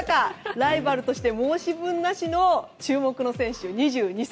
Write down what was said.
ライバルとして申し分なしの注目の選手、２２歳。